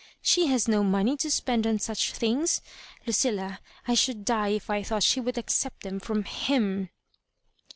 '* She has no money to spend on such thinga Lucilla^ I should die if I thought she would accept them from him.'